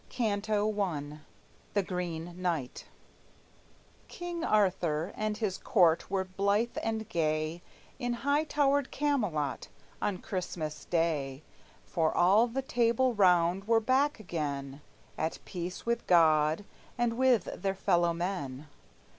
CANTO I THE GREEN KNIGHT CANTO I THE GREEN KNIGHT King Arthur and his court were blithe and gay In high towered Camelot, on Christmas day, For all the Table Round were back again, At peace with God and with their fellow men.